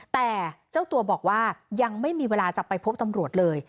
แต่เจ้าตัวบอกว่ายังไม่มีเวลาจะไปพบตำรวจเลย